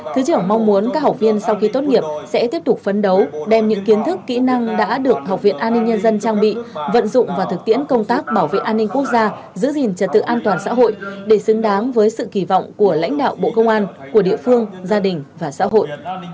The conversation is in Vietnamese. thứ trưởng mong muốn các học viên sau khi tốt nghiệp sẽ tiếp tục phấn đấu đem những kiến thức kỹ năng đã được học viện an ninh nhân dân trang bị vận dụng và thực tiễn công tác bảo vệ an ninh quốc gia giữ gìn trật tự an toàn xã hội để xứng đáng với sự kỳ vọng của lãnh đạo bộ công an của địa phương gia đình và xã hội